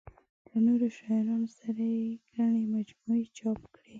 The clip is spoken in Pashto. له نورو شاعرانو سره یې ګڼې مجموعې چاپ کړې.